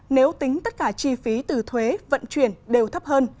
nếu tính tất cả chi phí từ thuế vận chuyển đều thấp hơn